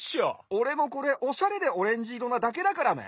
おれもこれおしゃれでオレンジいろなだけだからね。